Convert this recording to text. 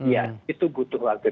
ya itu butuh waktu